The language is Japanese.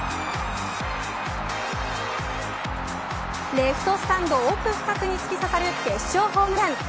レフトスタンド奥深くに突き刺さる決勝ホームラン。